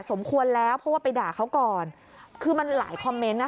สมควรแล้วเพราะว่าไปด่าเขาก่อนคือมันหลายคอมเมนต์นะคะ